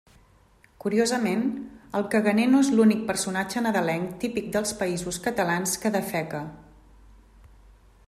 Curiosament, el caganer no és l'únic personatge nadalenc típic dels Països Catalans que defeca.